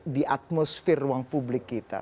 di atmosfer ruang publik kita